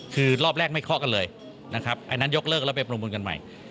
คือรอบแรกไม่เคาะกันเลยนะครับอันนั้นยกเลิกแล้วไปประมูลกันใหม่